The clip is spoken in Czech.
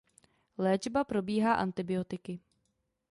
Léčba probíhá antibiotiky.